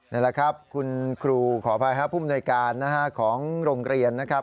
นั่นแหละครับคุณครูขอภัยครับภูมิหน่วยการของโรงเรียนนะครับ